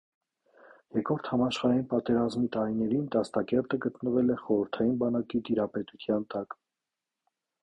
Երկրորդ համաշխարհային պատերազմի տարիներին դաստակերտը գտնվել է խորհրդային բանակի տիրապետության տակ։